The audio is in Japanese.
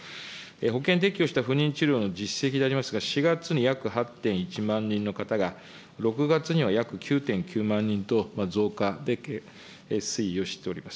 保険適用した不妊治療の実績でありますが、４月に約８．１万人の方が、６月には約９．９万人と、増加で推移をしております。